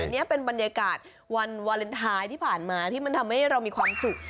นี่เป็นบรรยากาศวันวาเลนไทยที่ผ่านมาที่มันทำให้เรามีความสุข